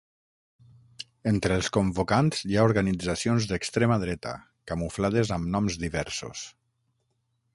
Entre els convocants hi ha organitzacions d’extrema dreta, camuflades amb noms diversos.